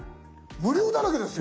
無料だらけですよ。